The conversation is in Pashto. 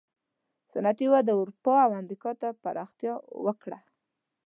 صنعتي وده اروپا او امریکا ته پراختیا وکړه.